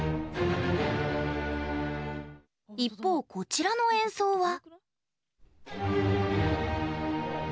一方、こちらの演奏は。